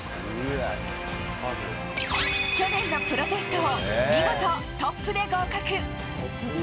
去年のプロテストを見事トップで合格。